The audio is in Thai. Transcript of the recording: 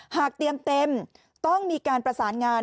หากเตรียมเต็มต้องมีการประสานงาน